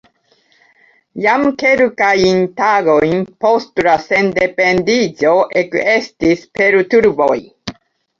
Jam kelkajn tagojn post la sendependiĝo ekestis perturboj.